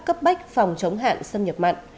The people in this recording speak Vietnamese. cấp bách phòng chống hạn xâm nhập mặn